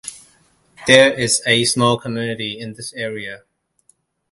There is a small community in this area.